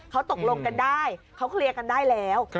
เขาตกลงกันได้เขาเคลียร์กันได้แล้ว